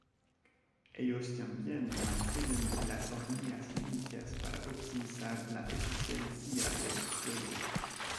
Ellos también mantienen las hornillas limpias para optimizar la eficiencia del fuego.